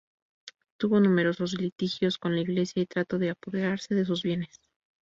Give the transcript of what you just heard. Tuvo numerosos litigios con la Iglesia, y trató de apoderarse de sus bienes.